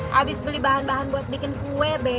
habis beli bahan bahan buat bikin kue b